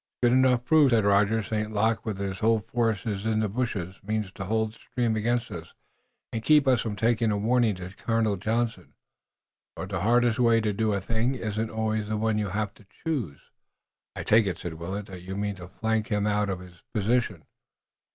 "It's good enough proof," said Rogers. "St. Luc with his whole force in the bushes means to hold the stream against us and keep us from taking a warning to Johnson, but the hardest way to do a thing isn't always the one you have to choose." "I take it," said Willet, "that you mean to flank him out of his position."